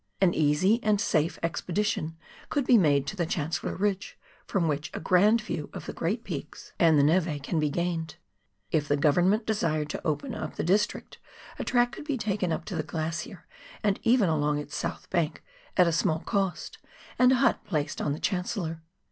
An easy and safe expedition could be made to the (Jhancellor Ridge, from which a grand view of the great peaks FOX GLACIER. 121 and tlie nh'e can be gained ; if the Government desired to open up the district, a track could be taken up to the glacier and even along its south bank at a small cost, and a hut placed on the Chancellor.